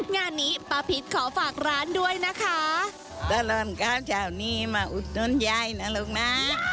งานนี้ป้าพิษขอฝากร้านด้วยนะคะ